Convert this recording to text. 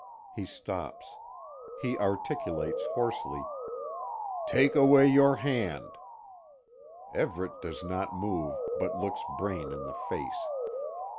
He stops. He articulates hoarsely: "Take away your hand!" Everet does not move, but looks Braine in the face.